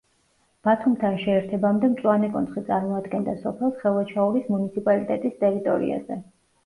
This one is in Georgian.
ბათუმთან შეერთებამდე მწვანე კონცხი წარმოადგენდა სოფელს ხელვაჩაურის მუნიციპალიტეტის ტერიტორიაზე.